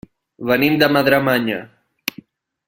Venim de Madremanya.